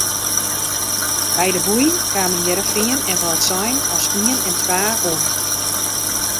By de boei kamen Hearrenfean en Wâldsein as ien en twa om.